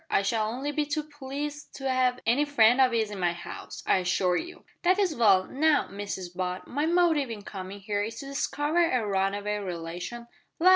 I shall only be too pleased to 'ave any friend of 'is in my 'ouse, I assure you." "That's well. Now, Mrs Butt, my motive in coming here is to discover a runaway relation " "La!